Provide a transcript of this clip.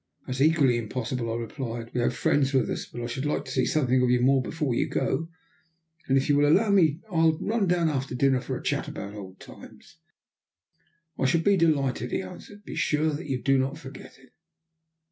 "That is equally impossible," I replied. "We have friends with us. But I should like to see something more of you before you go, and if you will allow me I'll run down after dinner for a chat about old times." "I shall be delighted," he answered. "Be sure that you do not forget it."